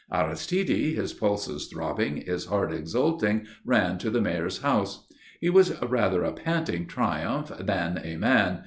Aristide, his pulses throbbing, his heart exulting, ran to the Mayor's house. He was rather a panting triumph than a man.